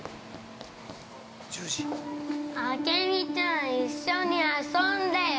あけみちゃん、一緒に遊んでよ。